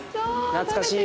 懐かしい。